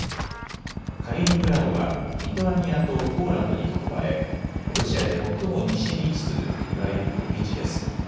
カリーニングラードはリトアニアとポーランドに囲まれロシアで最も西に位置するいわゆる飛び地です。